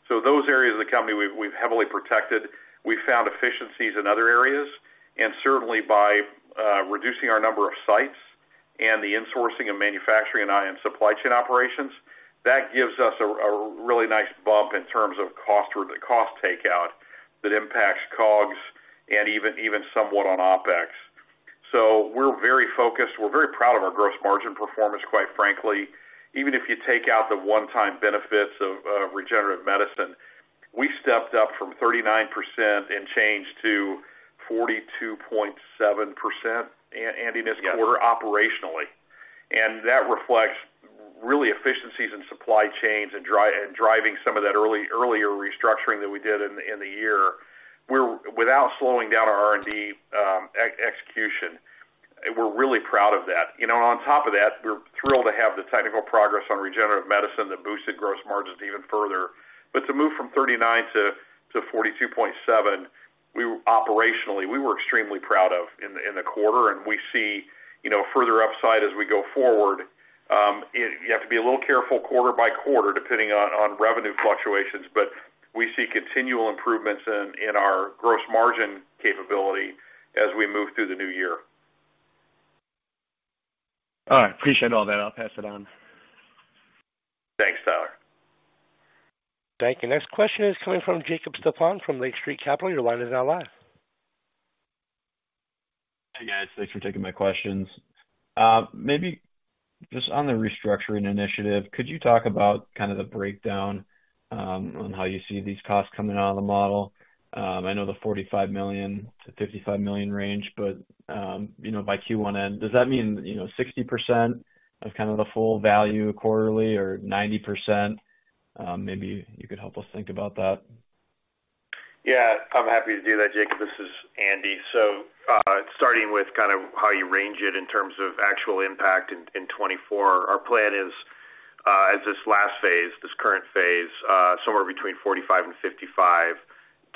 So those areas of the company, we've heavily protected. We found efficiencies in other areas, and certainly by reducing our number of sites and the insourcing of manufacturing and supply chain operations, that gives us a really nice bump in terms of cost or the cost takeout that impacts COGS and even somewhat on OpEx. So we're very focused. We're very proud of our gross margin performance, quite frankly. Even if you take out the one-time benefits of regenerative medicine, we stepped up from 39% to 42.7%, Andrew, this quarter operationally. Yes. That reflects really efficiencies in supply chains and driving some of that earlier restructuring that we did in the year. We're without slowing down our R&D execution, we're really proud of that. You know, on top of that, we're thrilled to have the technical progress on regenerative medicine that boosted gross margins even further. But to move from 39% to 42.7%, we operationally were extremely proud of in the quarter, and we see, you know, further upside as we go forward. You have to be a little careful quarter by quarter, depending on revenue fluctuations, but we see continual improvements in our gross margin capability as we move through the new year. All right, appreciate all that. I'll pass it on. Thanks, Tyler. Thank you. Next question is coming from Jacob Stephan from Lake Street Capital. Your line is now live. Hi, guys. Thanks for taking my questions. Maybe just on the restructuring initiative, could you talk about kind of the breakdown on how you see these costs coming out of the model? I know the $45 million-$55 million range, but you know, by Q1 end, does that mean, you know, 60% of kind of the full value quarterly or 90%? Maybe you could help us think about that. Yeah, I'm happy to do that, Jacob. This is Andrew. So, starting with kind of how you range it in terms of actual impact in 2024, our plan is, at this last phase, this current phase, somewhere between 45-55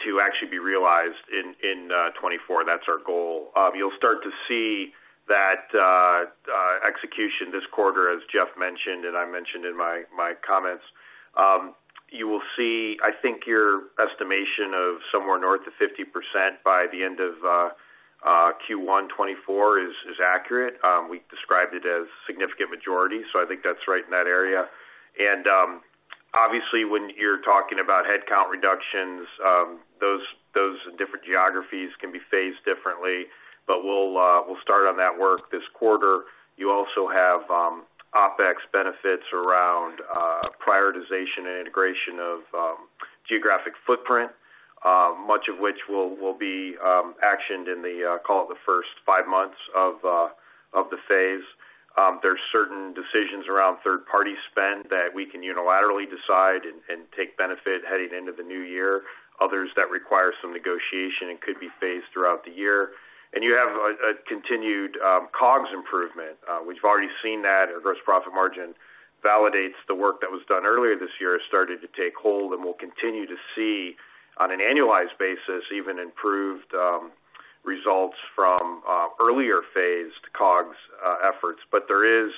to actually be realized in 2024. That's our goal. You'll start to see that execution this quarter, as Jeffrey mentioned and I mentioned in my comments. You will see, I think, your estimation of somewhere north of 50% by the end of Q1 2024 is accurate. We described it as significant majority, so I think that's right in that area. Obviously, when you're talking about headcount reductions, those different geographies can be phased differently, but we'll start on that work this quarter. You also have OpEx benefits around prioritization and integration of geographic footprint, much of which will be actioned in the, call it the first five months of the phase. There's certain decisions around third-party spend that we can unilaterally decide and take benefit heading into the new year, others that require some negotiation and could be phased throughout the year. And you have a continued COGS improvement, we've already seen that in our gross profit margin... validates the work that was done earlier this year has started to take hold, and we'll continue to see, on an annualized basis, even improved results from earlier phased COGS efforts. But there is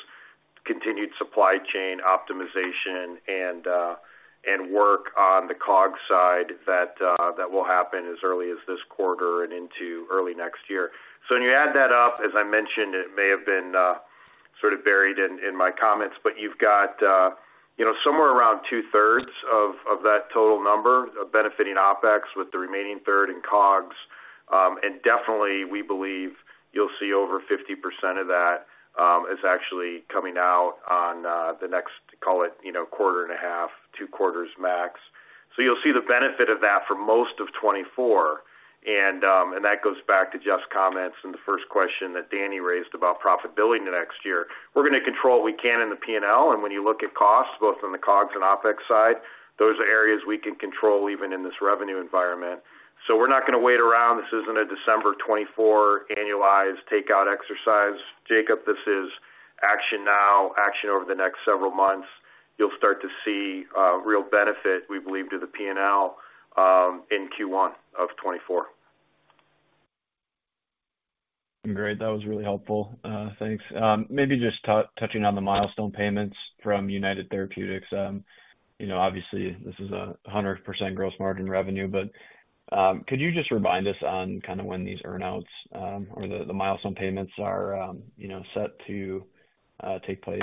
continued supply chain optimization and work on the COGS side that will happen as early as this quarter and into early next year. So when you add that up, as I mentioned, it may have been sort of buried in my comments, but you've got, you know, somewhere around two-thirds of that total number of benefiting OpEx, with the remaining third in COGS. And definitely, we believe you'll see over 50% of that is actually coming out on the next, call it, you know, quarter and a half, two quarters max. So you'll see the benefit of that for most of 2024. And that goes back to Jeff's comments in the first question that Danny raised about profitability next year. We're going to control what we can in the P&L, and when you look at costs, both on the COGS and OpEx side, those are areas we can control even in this revenue environment. So we're not going to wait around. This isn't a December 2024 annualized takeout exercise. Jacob, this is action now, action over the next several months. You'll start to see real benefit, we believe, to the P&L in Q1 of 2024. Great. That was really helpful. Thanks. Maybe just touching on the milestone payments from United Therapeutics. You know, obviously, this is 100% gross margin revenue, but, could you just remind us on kind of when these earn-outs, or the, the milestone payments are, you know, set to take place?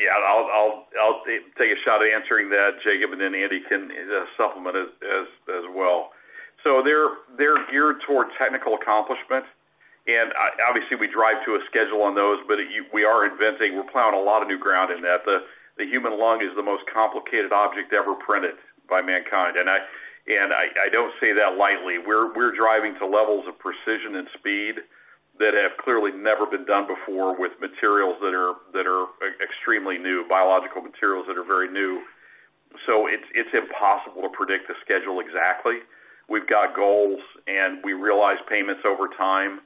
Yeah, I'll take a shot at answering that, Jacob, and then Andrew can supplement as well. So they're geared toward technical accomplishments, and obviously, we drive to a schedule on those, but we are inventing. We're plowing a lot of new ground in that. The human lung is the most complicated object ever printed by mankind, and I don't say that lightly. We're driving to levels of precision and speed that have clearly never been done before with materials that are extremely new, biological materials that are very new. So it's impossible to predict the schedule exactly. We've got goals, and we realize payments over time.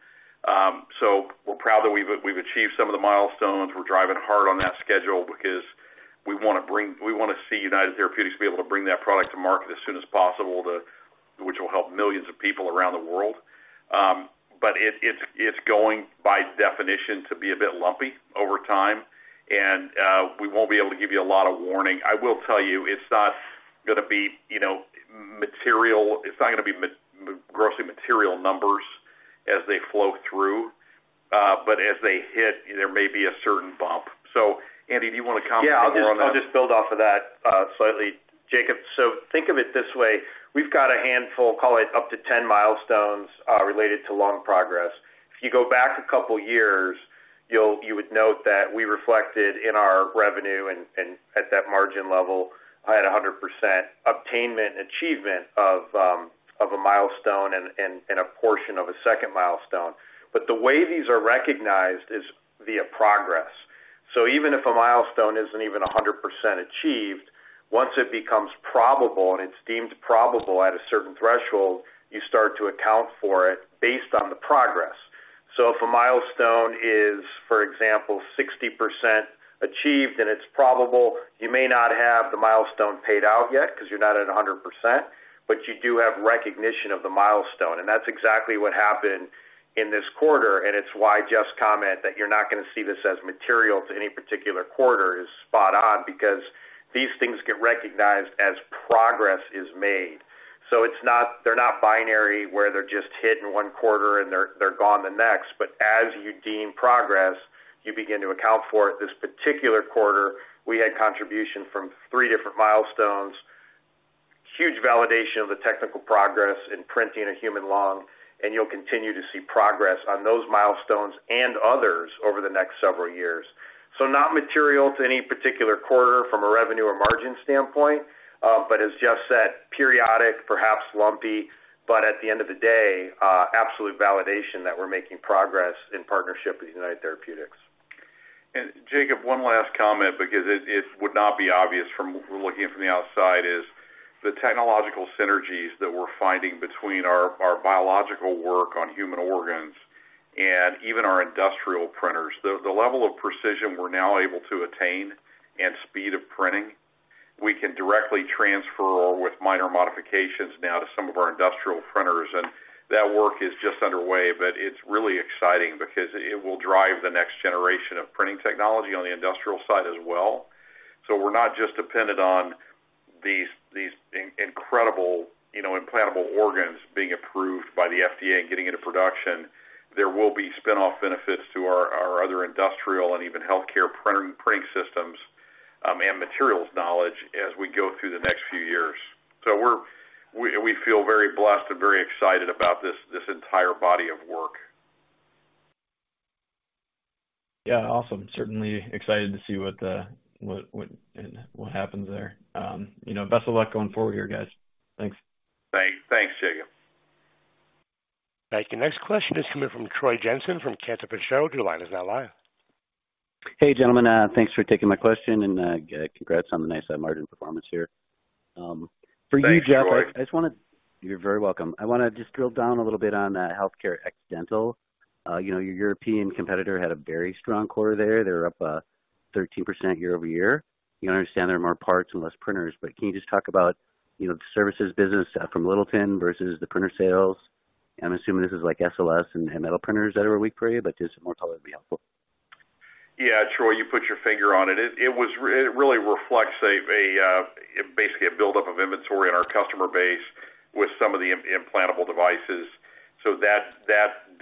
So we're proud that we've achieved some of the milestones. We're driving hard on that schedule because we want to bring-- we want to see United Therapeutics be able to bring that product to market as soon as possible, to... which will help millions of people around the world. But it's going, by definition, to be a bit lumpy over time, and, we won't be able to give you a lot of warning. I will tell you, it's not going to be, you know, material... It's not going to be grossly material numbers as they flow through, but as they hit, there may be a certain bump. So Andrew, do you want to comment more on that? Yeah, I'll just build off of that slightly, Jacob. So think of it this way: We've got a handful, call it up to 10 milestones related to lung progress. If you go back a couple of years, you would note that we reflected in our revenue and at that margin level I had a 100% obtainment achievement of a milestone and a portion of a second milestone. But the way these are recognized is via progress. So even if a milestone isn't even 100% achieved, once it becomes probable, and it's deemed probable at a certain threshold, you start to account for it based on the progress. So if a milestone is, for example, 60% achieved, and it's probable, you may not have the milestone paid out yet because you're not at 100%, but you do have recognition of the milestone. That's exactly what happened in this quarter, and it's why Jeff's comment that you're not going to see this as material to any particular quarter is spot on, because these things get recognized as progress is made. It's not - they're not binary, where they're just hit in one quarter and they're, they're gone the next. As you deem progress, you begin to account for it. This particular quarter, we had contribution from three different milestones, huge validation of the technical progress in printing a human lung, and you'll continue to see progress on those milestones and others over the next several years. So not material to any particular quarter from a revenue or margin standpoint, but as Jeff said, periodic, perhaps lumpy, but at the end of the day, absolute validation that we're making progress in partnership with United Therapeutics. Jacob, one last comment, because it would not be obvious from looking in from the outside, is the technological synergies that we're finding between our biological work on human organs and even our industrial printers. The level of precision we're now able to attain and speed of printing, we can directly transfer with minor modifications now to some of our industrial printers, and that work is just underway. But it's really exciting because it will drive the next generation of printing technology on the industrial side as well. So we're not just dependent on these incredible, you know, implantable organs being approved by the FDA and getting into production. There will be spin-off benefits to our other industrial and even healthcare printing systems and materials knowledge as we go through the next few years. We feel very blessed and very excited about this entire body of work. Yeah, awesome. Certainly excited to see what happens there. You know, best of luck going forward here, guys. Thanks. Thanks. Thanks, Jacob. Thank you. Next question is coming from Troy Jensen from Cantor Fitzgerald. Your line is now live. Hey, gentlemen, thanks for taking my question, and, congrats on the nice margin performance here. For you, Jeffrey, I just want to—you're very welcome. I want to just drill down a little bit on the healthcare ex dental. You know, your European competitor had a very strong quarter there. They're up 13% year-over-year. You understand there are more parts and less printers, but can you just talk about, you know, the services business from Littleton versus the printer sales? I'm assuming this is like SLS and metal printers that are weak for you, but just some more color would be helpful. Yeah, Troy, you put your finger on it. It really reflects basically a buildup of inventory in our customer base with some of the implantable devices. So that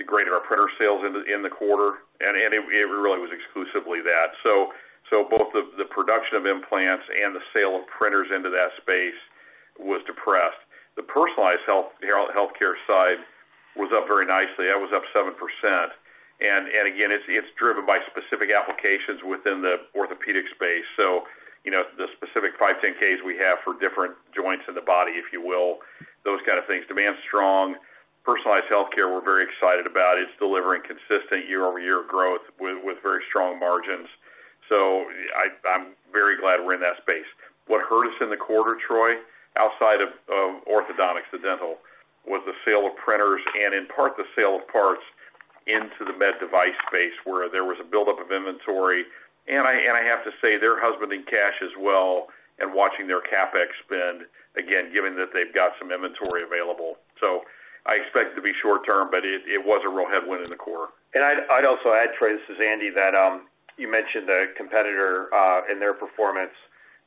degraded our printer sales in the quarter, and it really was exclusively that. So both the production of implants and the sale of printers into that space was depressed. The personalized healthcare side was up very nicely. That was up 7%. And again, it's driven by specific applications within the orthopedic space. So, you know, the specific 510(k)s we have for different joints in the body, if you will, those kind of things. Demand's strong. Personalized healthcare, we're very excited about. It's delivering consistent year-over-year growth with very strong margins. So I'm very glad we're in that space. What hurt us in the quarter, Troy, outside of orthodontics, the dental, was the sale of printers and in part, the sale of parts into the med device space, where there was a buildup of inventory. And I have to say, they're husbanding cash as well and watching their CapEx spend, again, given that they've got some inventory available. So I expect it to be short term, but it was a real headwind in the quarter. I'd also add, Troy, this is Andrew, that you mentioned the competitor and their performance.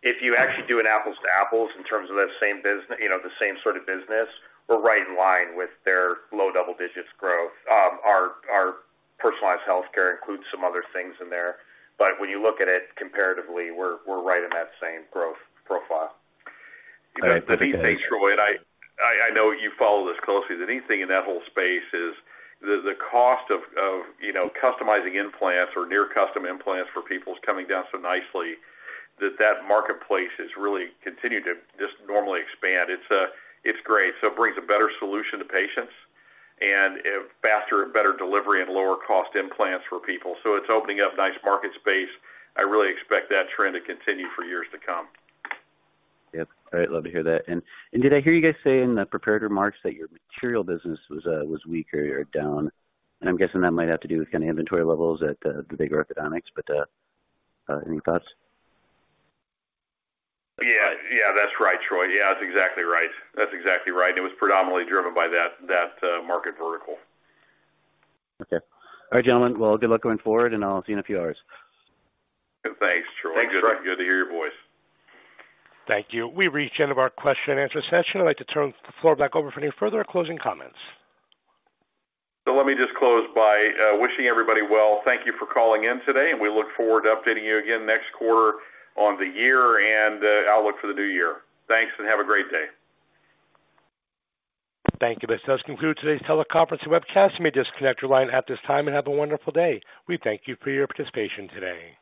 If you actually do an apples to apples in terms of the same business, you know, the same sort of business, we're right in line with their low double digits growth. Our personalized healthcare includes some other things in there, but when you look at it comparatively, we're right in that same growth profile. Troy, and I know you follow this closely. The neat thing in that whole space is the cost of, you know, customizing implants or near custom implants for people is coming down so nicely that that marketplace has really continued to just normally expand. It's, it's great. So it brings a better solution to patients and a faster and better delivery and lower cost implants for people. So it's opening up nice market space. I really expect that trend to continue for years to come. Yep. I love to hear that. And did I hear you guys say in the prepared remarks that your material business was weaker or down? And I'm guessing that might have to do with kind of inventory levels at the bigger orthodontics, but any thoughts? Yeah. Yeah, that's right, Troy. Yeah, that's exactly right. That's exactly right. It was predominantly driven by that market vertical. Okay. All right, gentlemen. Well, good luck going forward, and I'll see you in a few hours. Thanks, Troy. Thanks, Troy. Good to hear your voice. Thank you. We've reached the end of our question and answer session. I'd like to turn the floor back over for any further closing comments. So let me just close by, wishing everybody well. Thank you for calling in today, and we look forward to updating you again next quarter on the year and, outlook for the new year. Thanks, and have a great day. Thank you. This does conclude today's teleconference and webcast. You may disconnect your line at this time and have a wonderful day. We thank you for your participation today.